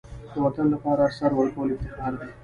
د وطن لپاره سر ورکول افتخار دی.